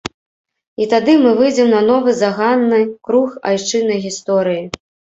І тады мы выйдзем на новы заганны круг айчыннай гісторыі.